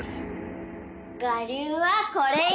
我流はこれよ。